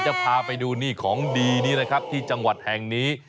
จะพาไปดูนี่ของดีนี้นะครับที่จังหวัดแห่งนี้